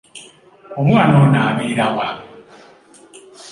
Omwana ono abeera wa?